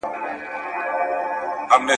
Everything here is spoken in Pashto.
چي په محفل کي شمع ووینم بورا ووینم ..